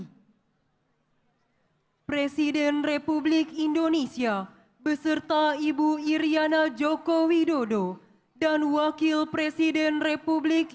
hai presiden republik indonesia beserta ibu iryana joko widodo dan wakil presiden republik